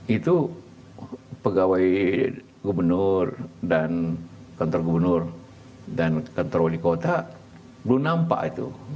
itu pegawai gubernur dan kantor gubernur dan kantor wali kota belum nampak itu